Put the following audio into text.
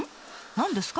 何ですか？